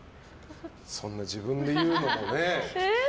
そんな自分で言うのもね。